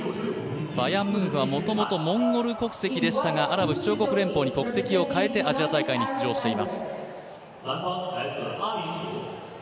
バヤンムンフはもともとモンゴル国籍でしたが、国籍を変えてアジア大会に出場しています。